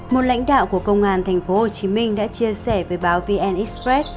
một lãnh đạo của công an tp hcm đã chia sẻ với báo vn express